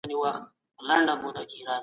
د لیکني برابرول د څېړني وروستی پړاو دی.